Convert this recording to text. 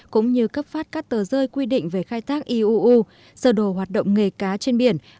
cũng như cấp phát các tờ rơi quy định về khai thác iuu sở đồ hoạt động nghề cá trên biển